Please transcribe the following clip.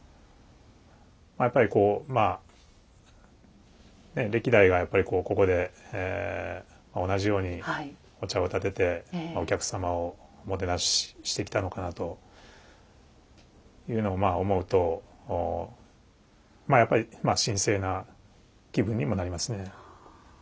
やっぱりこう歴代がやっぱりここで同じようにお茶をたててお客様をおもてなししてきたのかなというのをまあ思うとまあやっぱり神聖な気分にもなりますね。